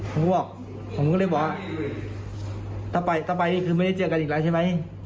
ผมก็บอกผมก็เลยบอกว่าถ้าไปถ้าไปนี่คือไม่ได้เจอกันอีกแล้วใช่ไหม